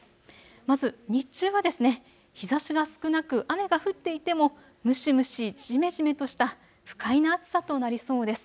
まず日中は日ざしが少なく雨が降っていても蒸し蒸しじめじめとした不快な暑さとなりそうです。